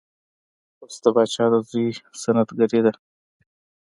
اوس د پاچا د زوی سنت ګري ده.